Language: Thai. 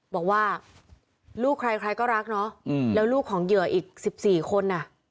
บอกว่าลูกใครใครก็รักเนาะแล้วลูกของเหยื่ออีก๑๔คน